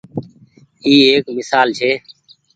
اي ايڪ ميسال ڇي۔